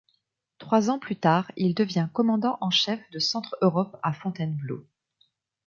Trois ans plus tard, il devient commandant en chef de centre-Europe à Fontainebleau.